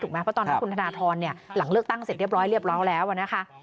เพราะตอนนั้นคุณธนทรหลังเลือกตั้งเสร็จเรียบร้อยเรียบร้อยแล้วนะคะ